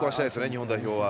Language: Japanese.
日本代表は。